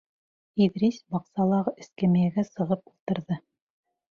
Иҙрис баҡсалағы эскәмйәгә сығып ултырҙы.